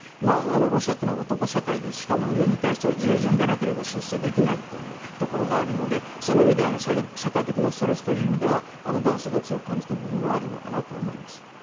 ロシアというのは男社会でしかも上に対しては従順でなければ出世できないというところがあるのでその意味で社会的なストレスという意味では男性が強く感じている部分はあるのかなと思います。